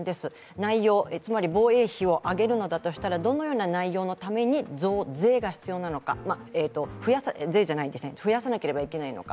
内容、つまり防衛費を上げるのだとしたらどのような内容のために増やさなければいけないのか。